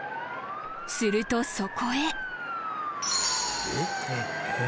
［するとそこへ］